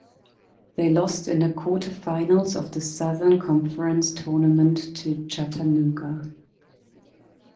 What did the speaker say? They lost in the quarterfinals of the Southern Conference tournament to Chattanooga.